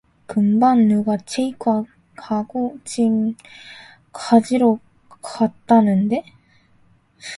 금방 누가 체크아웃하고 짐 가지러 갔다는데?